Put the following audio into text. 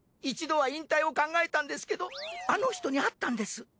一度は引退を考えたんですけどあの人に会ったんです。